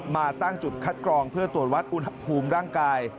มาตั้งจุดคัดกรองเพื่อตรวจวัดอุณหภูมิร่างกาย